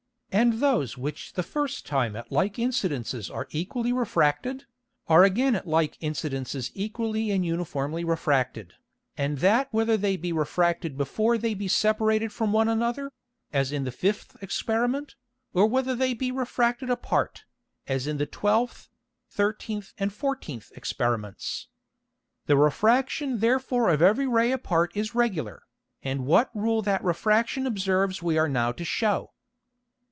And those which the first Time at like Incidences are equally refracted, are again at like Incidences equally and uniformly refracted, and that whether they be refracted before they be separated from one another, as in the fifth Experiment, or whether they be refracted apart, as in the twelfth, thirteenth and fourteenth Experiments. The Refraction therefore of every Ray apart is regular, and what Rule that Refraction observes we are now to shew.